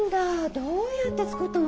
どうやって作ったの？